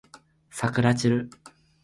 さくらちる